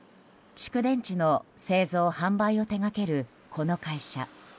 蓄電池の製造・販売を手掛けるこの会社。